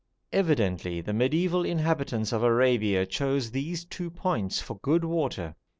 Evidently the mediæval inhabitants of Arabia chose these two points for good water.